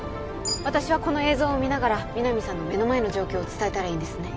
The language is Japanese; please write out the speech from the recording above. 私はこの映像を見ながら皆実さんの目の前の状況を伝えたらいいんですね？